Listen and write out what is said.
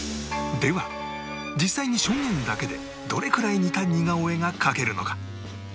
では実際に証言だけでどれくらい似た似顔絵が描けるのか？